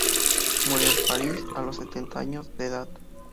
Murió en París a los setenta años de edad.